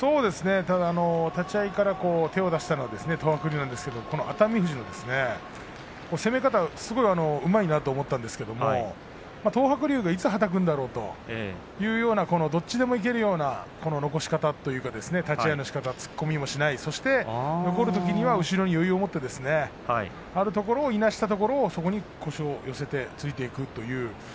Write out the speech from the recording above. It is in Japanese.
立ち合いから手を出したのは東白龍なんですけど熱海富士の攻め方すごいうまいなと思ったんですけれども東白龍がいつはたくんだろうというような、どちらでもいけるような残し方というか立ち合いのしかた突っ込みもしない残るときには後ろに余裕を持ってあるところをいなしたところ腰を寄せて突いていくという。